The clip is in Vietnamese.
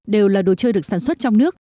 đều là đồ chơi được sản xuất trong nước